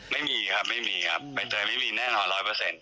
ไม่มีครับใบเตยไม่มีแน่นอน๑๐๐